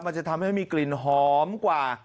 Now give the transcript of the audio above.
มันจะทำให้มีกลิ่นหอมกว่า